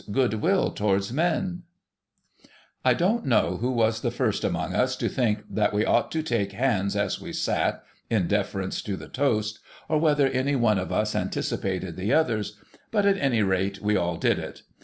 Good will towards men !' I don't know who was the first among us to think that we ought '/o THE SEVEN POOR TRAVELLEPs S to take hands as \vc sat, in deference to the toast, or whether any one of us anticipated the others, but at any rate we all did it.